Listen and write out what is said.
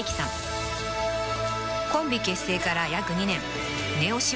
［コンビ結成から約２年ネオ